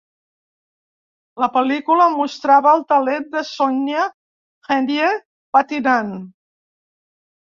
La pel·lícula mostrava el talent de Sonja Henie patinant.